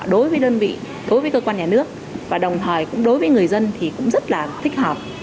đối với đơn vị đối với cơ quan nhà nước và đồng thời đối với người dân cũng rất thích hợp